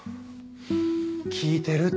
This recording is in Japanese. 聞いてるって。